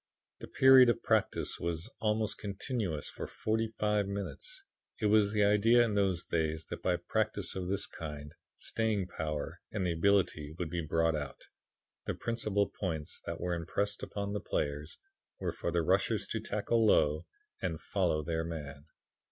The period of practice was almost continuous for forty five minutes. It was the idea in those days that by practice of this kind, staying power and ability would be brought out. The principal points that were impressed upon the players were for the rushers to tackle low and follow their man.